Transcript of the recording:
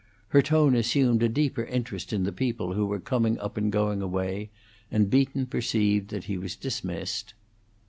Her tone assumed a deeper interest in the people who were coming up and going away, and Beaton perceived that he was dismissed.